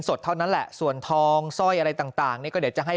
สดเท่านั้นแหละส่วนทองสร้อยอะไรต่างนี่ก็เดี๋ยวจะให้